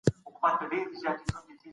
بهرنی سیاست د هیواد لپاره نوې لارې پرانیزي.